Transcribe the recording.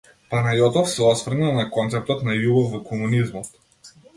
Панајотов се осврна на концептот на љубов во комунизмот.